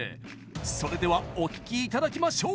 それではお聴きいただきましょう。